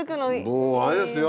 もうあれですよ